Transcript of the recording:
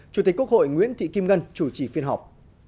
chủ tịch quốc hội nguyễn thị kim ngân chủ trì phiên họp